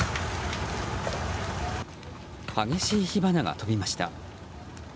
激しい火花が飛びました。